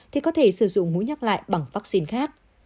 thì có thể sử dụng mũi nhắc lại bằng vaccine khác